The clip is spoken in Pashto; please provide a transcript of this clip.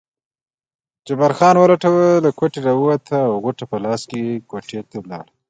جبار خان ولټوه، له کوټې راووتم او غوټه په لاس کوټې ته ولاړم.